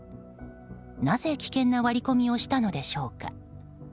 なぜ危険な割り込みをしたのでしょうか。